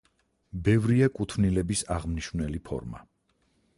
ბევრია კუთვნილების აღმნიშვნელი ფორმა.